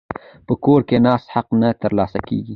په کور ناست حق نه ترلاسه کیږي.